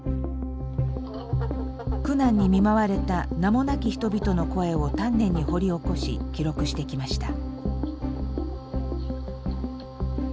苦難に見舞われた名もなき人々の声を丹念に掘り起こし記録してきました。